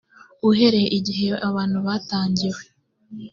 uhereye igihe abantu batangiwe